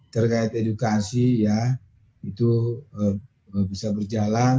terkait edukasi ya itu bisa berjalan